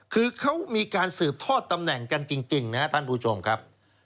คือเขามีการสืบทอดตำแหน่งกันจริงนะครับท่านผู้ชมครับ